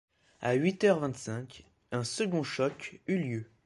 À huit heures vingt-cinq, un second choc eut lieu.